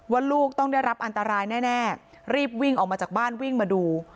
ลูกต้องได้รับอันตรายแน่รีบวิ่งออกมาจากบ้านวิ่งมาดู